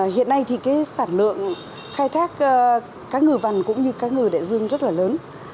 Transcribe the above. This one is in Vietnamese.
hiện nay thì cái sản lượng khai thác cá ngừ vằn cũng như cá ngừ đại dương rất là lớn